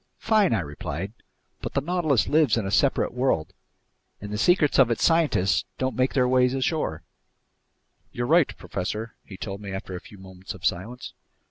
"Fine," I replied, "but the Nautilus lives in a separate world, and the secrets of its scientists don't make their way ashore." "You're right, professor," he told me after a few moments of silence.